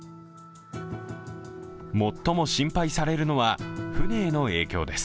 最も心配されるのは船への影響です。